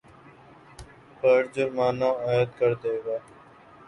پر جرمانہ عاید کردے گا